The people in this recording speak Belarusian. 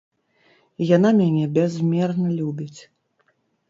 Яна мяне бязмерна любіць.